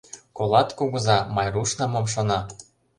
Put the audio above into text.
— Колат, кугыза, Майрушна мом шона!